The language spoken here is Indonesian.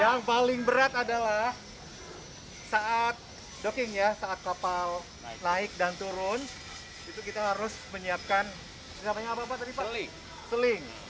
yang paling berat adalah saat kapal naik dan turun kita harus menyiapkan seling